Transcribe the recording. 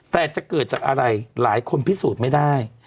แต่จะเกิดจากอะไรหลายคนพิสูจน์ไม่ได้